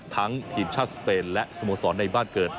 ทีมชาติสเปนและสโมสรในบ้านเกิด